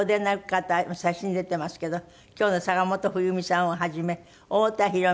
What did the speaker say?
方今写真出てますけど今日の坂本冬美さんをはじめ太田裕美さん